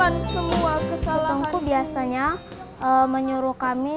tengku biasanya menyuruh kami